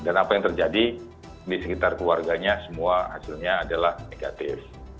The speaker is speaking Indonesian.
dan apa yang terjadi di sekitar keluarganya semua hasilnya adalah negatif